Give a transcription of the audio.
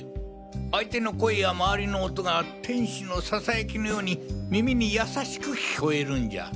相手の声や周りの音が天使のささやきのように耳に優しく聞こえるんじゃ。